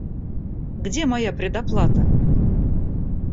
Где моя предоплата?